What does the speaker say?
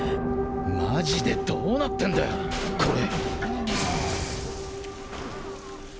マジでどうなってんだよこれ。